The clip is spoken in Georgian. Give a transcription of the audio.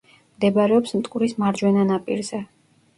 მდებარეობს მტკვრის მარჯვენა ნაპირზე.